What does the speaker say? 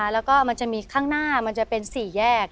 แล้วก็มันจะมีข้างหน้ามันจะเป็น๔แยก